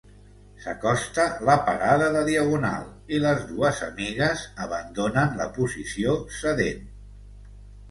S'acosta la parada de Diagonal i les dues amigues abandonen la posició sedent.